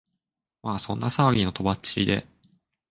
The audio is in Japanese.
まあそんな騒ぎの飛ばっちりで、